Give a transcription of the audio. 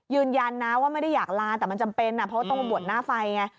ยืนยันนะว่าไม่ได้อยากลาแต่มันจำเป็นเพราะว่าต้องมาบวชหน้าไฟไง